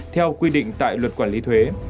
theo quy định tại luật quản lý thuế